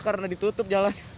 karena ditutup jalan